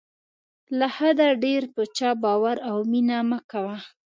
له حده ډېر په چا باور او مینه مه کوه.